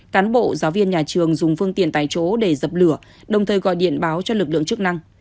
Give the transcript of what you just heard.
cán bộ giáo viên nhà trường dùng phương tiện tại chỗ để dập lửa đồng thời gọi điện báo cho lực lượng chức năng